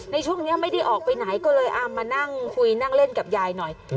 ในช่วงนี้ไม่ได้ออกไปไหนก็เลยเอามานั่งคุยนั่งเล่นกับยายหน่อย